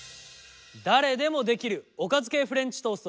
誰でもできるおかず系フレンチトースト。